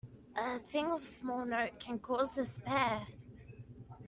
A thing of small note can cause despair.